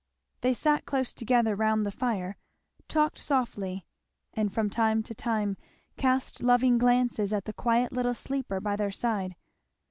They sat close together round the fire, talked softly, and from time to time cast loving glances at the quiet little sleeper by their side.